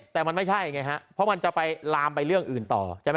แต่มันไม่ใช่เพราะมันจะลามไปเรื่องอื่นต่อ